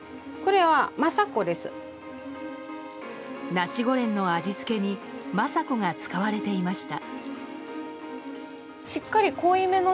ナシゴレンの味付けにＭａｓａｋｏが使われていました。